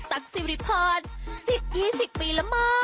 แต่หนูไม่มาเยอะแหละ